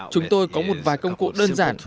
chúng tôi có một vài công cụ đơn giản